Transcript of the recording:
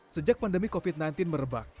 sejak pandemi covid sembilan belas merebak